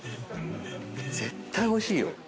絶対おいしいよ。